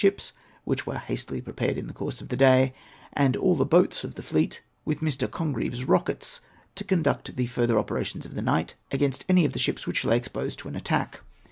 405 ships (wliicli were hastily prepared in the course of the day), and all the boats of the fleet, with Mr. Congreve's rockets, to conduct the further operations of the night against any of the ships which lay exposed to an attack.